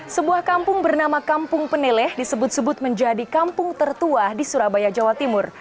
sebuah kampung bernama kampung peneleh disebut sebut menjadi kampung tertua di surabaya jawa timur